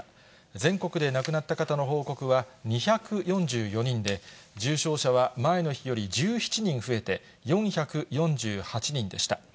全国で亡くなった方の報告は２４４人で、重症者は前の日より１７人増えて４４８人でした。